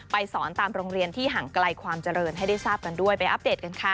สอนตามโรงเรียนที่ห่างไกลความเจริญให้ได้ทราบกันด้วยไปอัปเดตกันค่ะ